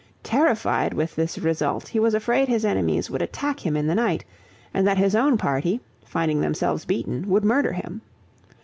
Terrified with this result, he was afraid his enemies would attack him in the night, and that his own party, finding themselves beaten, would murder him.